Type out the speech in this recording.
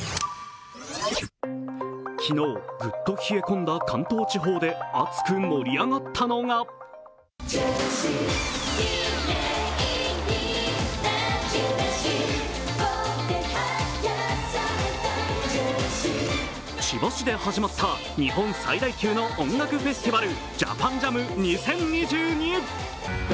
昨日、ぐっと冷え込んだ関東地方で熱く盛り上がったのが千葉市で始まった日本最大級の音楽フェスティバル